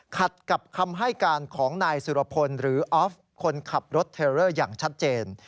ขัดกับคำให้การของนายสุรพลหรือออฟคนขับรถเทลเลอร์อย่างชัดเจน